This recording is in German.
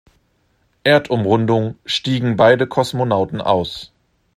Erdumrundung stiegen beide Kosmonauten aus.